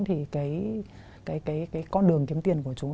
thì con đường kiếm tiền của chúng